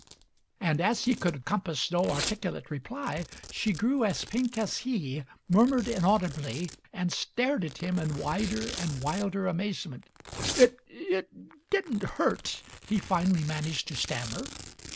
And as he could compass no articulate reply, she grew as pink as he, murmured inaudibly, and stared at him in wider and wilder amazement. "It — it didn't hurt," he finally managed to stam mer.